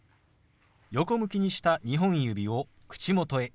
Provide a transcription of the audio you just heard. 横向きにした２本指を口元へ。